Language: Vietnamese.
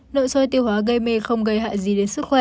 nội soi tiêu hóa gây mê không gây hại gì đến sức khỏe